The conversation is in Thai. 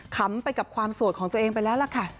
ขำไปกับความโสดของตัวเองไปแล้วล่ะค่ะ